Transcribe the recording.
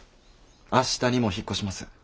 明日にも引っ越します。